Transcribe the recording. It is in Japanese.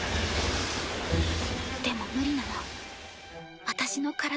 でも無理なの私の体じゃ。